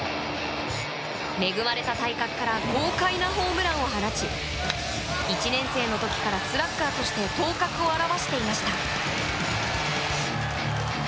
恵まれた体格から豪快なホームランを放ち１年生の時からスラッガーとして頭角を現していました。